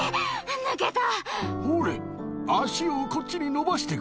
抜けた。